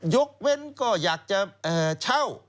ยกเว้นก็อยากจะเช่า